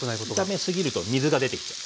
炒めすぎると水が出てきちゃう。